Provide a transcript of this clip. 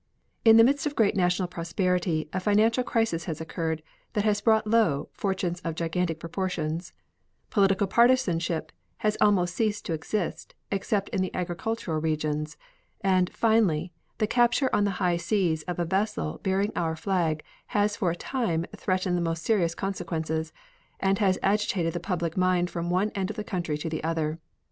In the midst of great national prosperity a financial crisis has occurred that has brought low fortunes of gigantic proportions; political partisanship has almost ceased to exist, especially in the agricultural regions; and, finally, the capture upon the high seas of a vessel bearing our flag has for a time threatened the most serious consequences, and has agitated the public mind from one end of the country to the other.